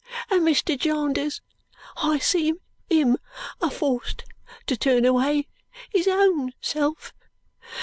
And Mr. Jarnders, I see him a forced to turn away his own self.